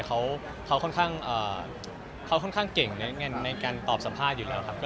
เขาค่อนข้างเก่งในการตอบสัมภาษณ์อยู่แล้วครับ